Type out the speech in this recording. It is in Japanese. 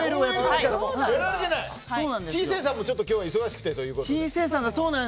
ちいせえさんも今日は忙しくてということで。